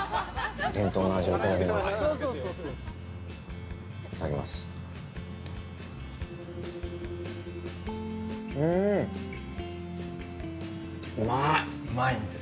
伝統の味をいただきます。